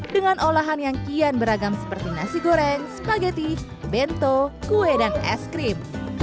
dengan olahan yang kian beragam seperti nasi goreng spageti bento kue dan es krim